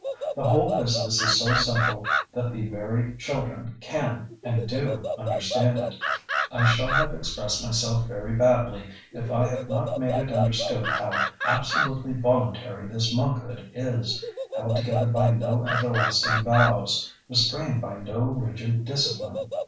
The whole business is so simple that the very children can and do understand it. I shall have expressed myself very badly if I have not made it understood how absolutely voluntary this monkhood is, held together by no everlasting vows, restrained by no rigid discipline.